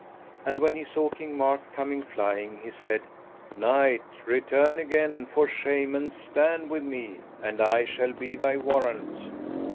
And when he saw King Mark coming flying he said: Knight, return again for shame and stand with me, and I shall be thy warrant.